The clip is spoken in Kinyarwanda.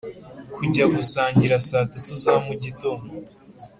kujya gusangira saa tatu za mugitondo.